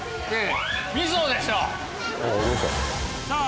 さあ